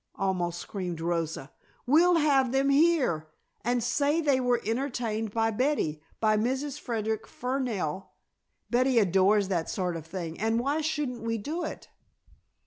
almost screamed Rosa, "we'll have them here and say they were entertained by Betty, by Mrs. Frederic Fernell! Betty adores that sort of thing and why shouldn't we do it?"